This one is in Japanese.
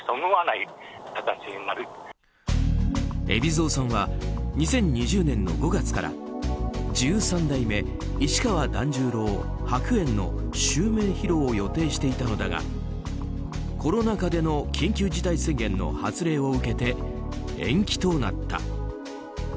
海老蔵さんは２０２０年の５月から十三代目市川團十郎白猿の襲名披露を予定していたのだがコロナ禍での緊急事態宣言の発令を受けて、延期となった。